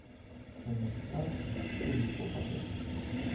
Що між старці Турн попаде.